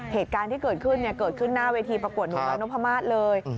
เหตุการณ์ที่เกิดขึ้นเกิดขึ้นหน้าเวทีประกวดหนูน้อยนพมาศเลย